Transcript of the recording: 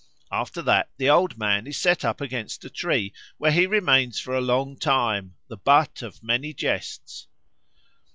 After that the Old Man is set up against a tree, where he remains for a long time, the butt of many jests.